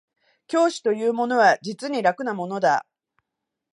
教師というものは実に楽なものだ